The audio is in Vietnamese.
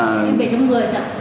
em về trong người chẳng